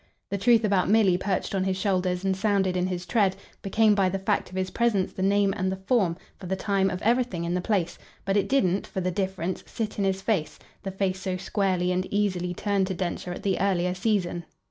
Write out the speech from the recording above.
The truth about Milly perched on his shoulders and sounded in his tread, became by the fact of his presence the name and the form, for the time, of everything in the place; but it didn't, for the difference, sit in his face, the face so squarely and easily turned to Densher at the earlier season.